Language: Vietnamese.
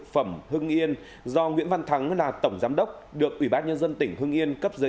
phẩm hưng yên do nguyễn văn thắng là tổng giám đốc được ủy ban nhân dân tỉnh hưng yên cấp giấy